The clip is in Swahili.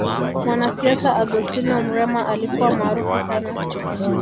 mwanasiasa augustino mrema alikuwa maarufu sana